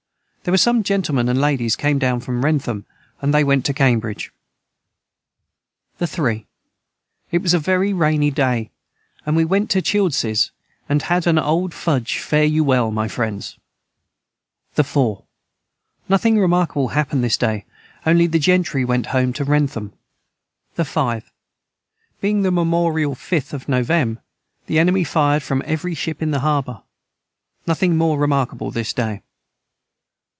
their was Some gentlemen and Laidies came down from Wrentham and they went to cambridg. the 3. It was a very rainy day and we went to childses and had an old fudg fairyouwell my friends. the 4. Nothing remarkable hapned this day onely the gentry went home to Wrentham. the 5. Being the memorial 5th of novem. the enemy fired from every Ship in the harbour nothing more remarkable this day.